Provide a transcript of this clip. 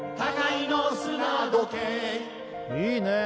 いいねえ